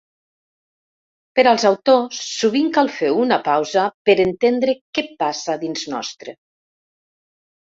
Per als autors, sovint cal fer una pausa per entendre què passa dins nostre.